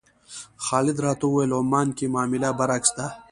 خالد راته وویل عمان کې معامله برعکس ده.